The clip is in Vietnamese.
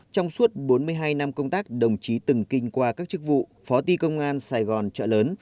công tác đồng chí từng kinh qua các chức vụ phó ti công an sài gòn chợ lớn